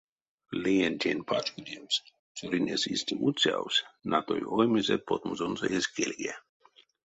Леентень пачкодемс цёрынесь истя муцявсь, натой оймезэ потмозонзо эзь кельге.